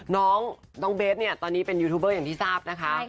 น้องเบสเนี่ยตอนนี้เป็นยูทูบเบอร์อย่างที่ทราบนะคะ